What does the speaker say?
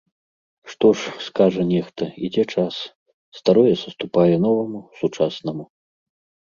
Што ж, скажа нехта, ідзе час, старое саступае новаму, сучаснаму.